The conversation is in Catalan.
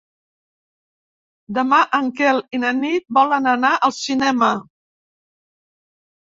Demà en Quel i na Nit volen anar al cinema.